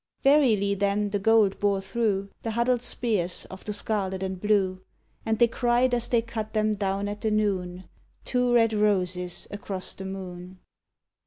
_ Verily then the gold bore through The huddled spears of the scarlet and blue; And they cried, as they cut them down at the noon, _Two red roses across the moon!